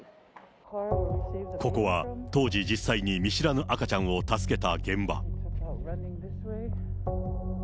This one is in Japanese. ここは当時、実際に見知らぬ赤ちゃんを助けた現場。